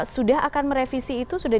sudah akan merevisi itu sudah